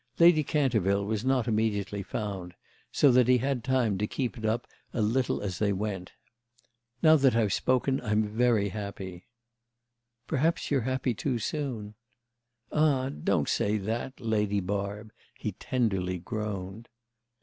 Lady Canterville was not immediately found, so that he had time to keep it up a little as they went. "Now that I've spoken I'm very happy." "Perhaps you're happy too soon." "Ah, don't say that, Lady Barb," he tenderly groaned.